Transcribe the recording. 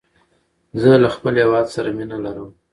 زه له خپل هيواد سره مینه لرم.